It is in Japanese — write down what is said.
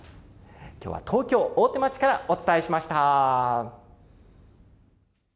きょうは東京・大手町からお伝えしました。